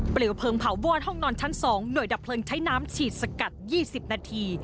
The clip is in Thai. เพลิงเผาวอดห้องนอนชั้น๒หน่วยดับเพลิงใช้น้ำฉีดสกัด๒๐นาที